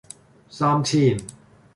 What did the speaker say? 三千